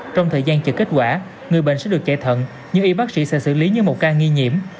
trong thời gian chờ kết quả người bệnh sẽ được chạy thận nhưng y bác sĩ sẽ xử lý như một ca nghi nhiễm